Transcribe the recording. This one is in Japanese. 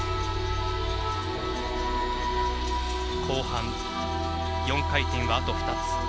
後半、４回転はあと２つ。